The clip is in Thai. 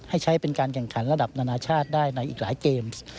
ให้ใช้เป็นการแข่งขันระดับนานาชาติได้ในอีกหลายเกม